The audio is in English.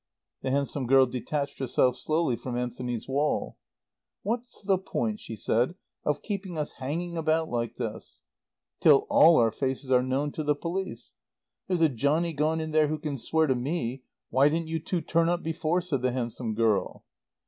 The handsome girl detached herself slowly from Anthony's wall. "What's the point," she said, "of keeping us hanging about like this " "Till all our faces are known to the police " "There's a johnnie gone in there who can swear to me. Why didn't you two turn up before?" said the handsome girl.